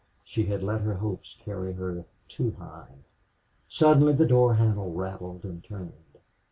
She had let her hopes carry her too high. Suddenly the door handle rattled and turned.